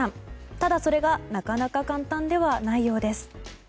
ただ、それがなかなか簡単ではないようです。